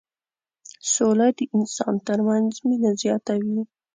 سوله د انسانانو ترمنځ مينه زياتوي.